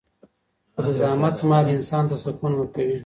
خو د زحمت مال انسان ته سکون ورکوي.